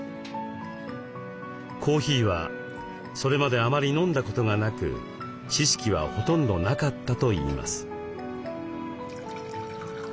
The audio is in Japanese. コーヒーはそれまであまり飲んだことがなく知識はほとんどなかったといいます。